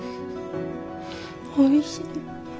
おいしい。